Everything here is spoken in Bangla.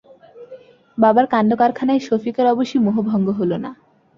বাবার কাণ্ডকারখানায় সফিকের অবশ্যি মোহভঙ্গ হল না।